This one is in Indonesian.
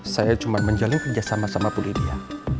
saya cuma menjalin kerja sama sama bu lydia